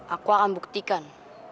aku akan buktikan